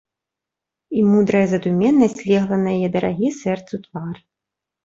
І мудрая задуменнасць легла на яе дарагі сэрцу твар.